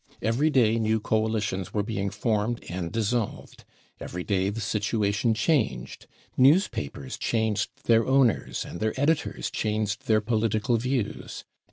Every day new coalitions were being formed and dissolved. Every day the situation changed. News papers changed their owners, and their editors changed their political views.